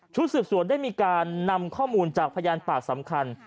สืบสวนได้มีการนำข้อมูลจากพยานปากสำคัญ